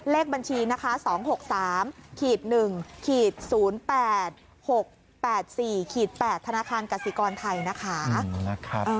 เลขบัญชีนะคะ๒๖๓๑๐๘๖๘๔๘ธนาคารกสิกรไทยนะคะ